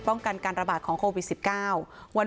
กันการระบาดของโควิด๑๙